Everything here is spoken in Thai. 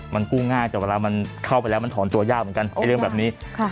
มันกู้ง่ายแต่เวลามันเข้าไปแล้วมันถอนตัวยากเหมือนกันไอ้เรื่องแบบนี้